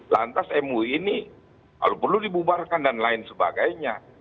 lantas mui ini kalau perlu dibubarkan dan lain sebagainya